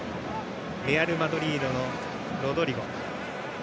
レアルマドリードのロドリゴ。